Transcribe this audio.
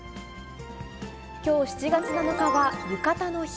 きょう７月７日はゆかたの日。